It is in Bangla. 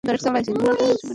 ডিনার দেওয়া হয়েছে, ম্যাডাম।